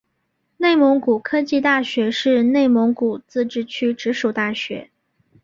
内蒙古科技大学是内蒙古自治区直属大学。